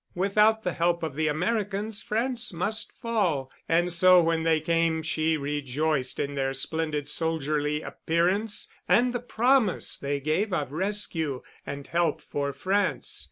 Without the help of the Americans, France must fall, and so when they came she rejoiced in their splendid soldierly appearance and the promise they gave of rescue and help for France.